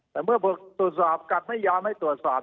แต่เมื่อตรวจสอบกัดไม่ยอมให้ตรวจสอบ